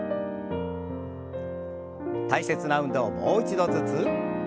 大切な運動をもう一度ずつ。